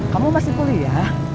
kamu masih kuliah